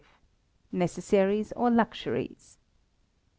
Necessaries or Luxuries.